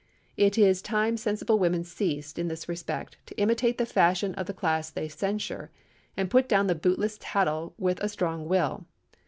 It is time sensible women ceased, in this respect, to imitate the fashion of the class they censure, and put down the bootless tattle with a strong will.